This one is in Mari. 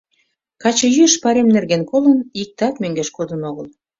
Качыйӱыш пайрем нерген колын, иктат мӧҥгеш кодын огыл.